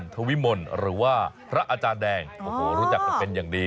ทวิมลหรือว่าพระอาจารย์แดงโอ้โหรู้จักกันเป็นอย่างดี